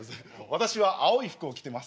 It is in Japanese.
私は青い服を着てます。